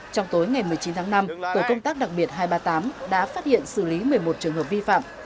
trong tối ngày một mươi chín tháng năm tổ công tác đặc biệt hai trăm ba mươi tám đã phát hiện xử lý một mươi một trường hợp vi phạm